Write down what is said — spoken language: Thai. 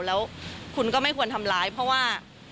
แล้วคุณก็ไม่ควรทำร้ายเพราะว่า